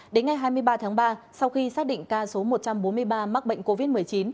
đến ngày hai mươi ba tháng ba sau khi xác định ca số một trăm bốn mươi ba mắc bệnh covid một mươi chín